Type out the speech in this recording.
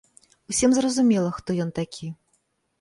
Усім зразумела, хто ён такі.